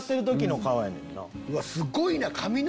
すごいな！